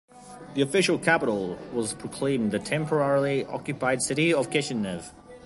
The official capital was proclaimed the "temporarily occupied city of Kishinev".